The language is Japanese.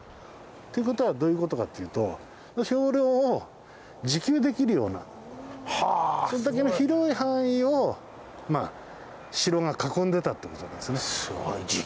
っていう事はどういう事かっていうと兵糧を自給できるようなそれだけの広い範囲を城が囲んでたって事ですね。